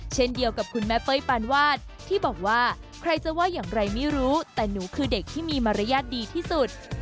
เช่นเดียวกับคุณแม่เป้ยปานวาดที่บอกว่าใครจะว่าอย่างไรไม่รู้แต่หนูคือเด็กที่มีมารยาทดีที่สุด